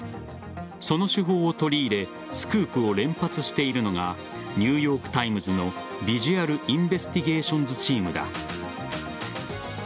その手法を取り入れスクープを連発しているのがニューヨーク・タイムズのビジュアル・インベスティゲーションズ・チームだ。